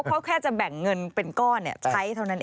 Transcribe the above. เขาแค่จะแบ่งเงินเป็นก้อนใช้เท่านั้นเอง